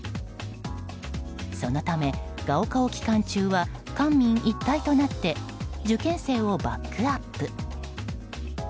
そのため高考期間中は官民一体となって受験生をバックアップ。